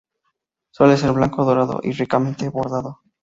Suele ser blanco o dorado, y ricamente bordado.